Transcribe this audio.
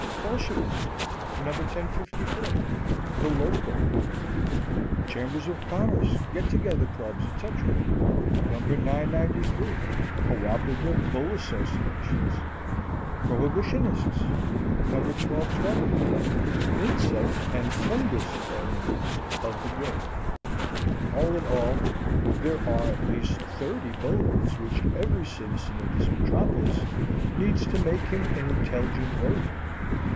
Bolshevism: No. 1054, "The Loco Weed." Chambers of Commerce, Get Together Clubs, etc.: No. 993, "Cooperative Bull Associations." Prohibitionists: No. 1220, "Insect and Fungus Enemies of the Grape." All in all, there are at least thirty bulletins which every citizen of this metropolis needs to make him an intelligent voter.